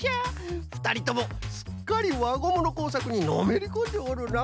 ふたりともすっかりわゴムのこうさくにのめりこんでおるな。